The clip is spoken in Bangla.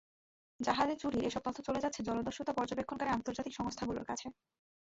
জাহাজে চুরির এসব তথ্য চলে যাচ্ছে জলদস্যুতা পর্যবেক্ষণকারী আন্তর্জাতিক সংস্থাগুলোর কাছে।